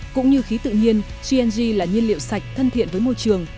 cũng như khí tự nhiên cng là nhiên liệu sạch thân thiện với môi trường